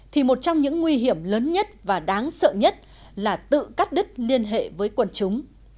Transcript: thì một trong những nguy hiểm lớn nhất và đáng sợ nhất là tự cắt đứt liên hệ với quần chúng